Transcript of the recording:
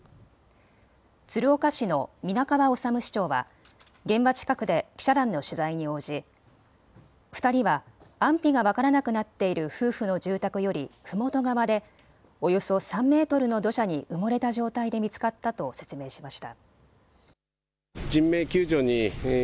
鶴岡市の皆川治市長は現場近くで記者団の取材に応じ２人は安否が分からなくなっている夫婦の住宅よりふもと側でおよそ３メートルの土砂に埋もれた状態で見つかったと説明しました。